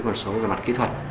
một số cái mặt kỹ thuật